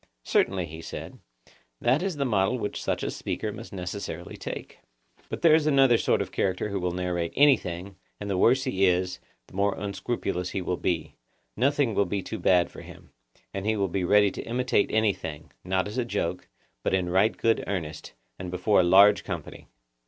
Certainly, he said; that is the model which such a speaker must necessarily take. But there is another sort of character who will narrate anything, and, the worse he is, the more unscrupulous he will be; nothing will be too bad for him: and he will be ready to imitate anything, not as a joke, but in right good earnest, and before a large company.